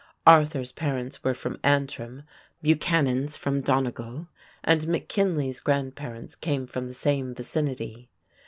Arthur's parents were from Antrim, Buchanan's from Donegal, and McKinley's grandparents came from the same vicinity.